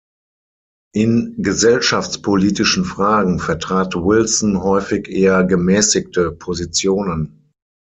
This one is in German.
In gesellschaftspolitischen Fragen vertrat Wilson häufig eher gemäßigte Positionen.